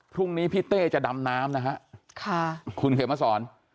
พรุ่งนี้พี่เต้จะดำน้ำนะฮะค่ะคุณเขมสอน